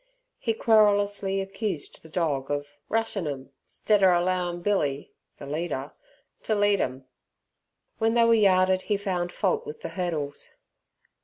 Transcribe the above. He querulously accused the dog of "rushin' 'em, 'stead er allowin' Billy" (the leader) "to lead 'em". When they were yarded he found fault with the hurdles.